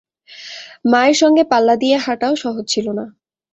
মায়ের সঙ্গে পাল্লা দিয়ে হাঁটাও সহজ ছিল না।